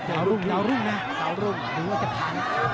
เดี๋ยวรุ่งนะรู้ว่าจะผ่าน